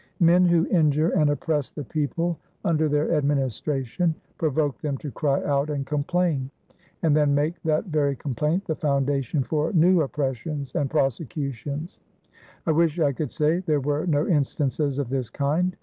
Men who injure and oppress the people under their administration provoke them to cry out and complain, and then make that very complaint the foundation for new oppressions and prosecutions. I wish I could say there were no instances of this kind.